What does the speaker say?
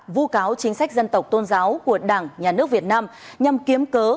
vô cáo chính sách dân tộc tôn giáo của đảng nhà nước việt nam nhằm kiếm cớ